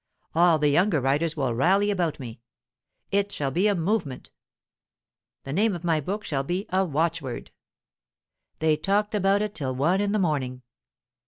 All the younger writers will rally about me. It shall be a 'movement.' The name of my book shall be a watchword." They talked about it till one in the morning.